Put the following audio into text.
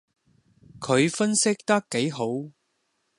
佢分析得幾號